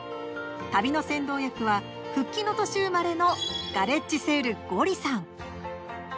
旅の先導役は復帰の年生まれのガレッジセール・ゴリさん。